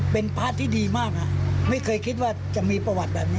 เป็นพระที่ดีมากไม่เคยคิดว่าจะมีประวัติแบบนี้